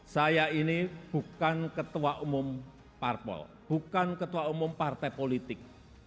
saya ini bukan ketua umum parpol bukan ketua umum partai politik